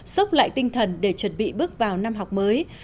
sốc lại tinh thần để chuẩn bị bước vào năm học mới